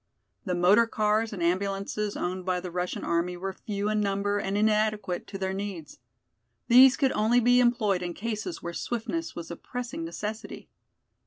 The motor cars and ambulances owned by the Russian army were few in number and inadequate to their needs. These could only be employed in cases where swiftness was a pressing necessity.